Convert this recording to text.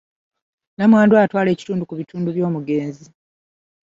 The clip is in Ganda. Nnamwandu atwala ekitundu ku bintu by'omugenzi.